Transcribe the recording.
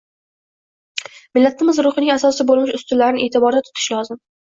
millatimiz ruhining asosi bo‘lmish ustunlarni e’tiborda tutishi lozim.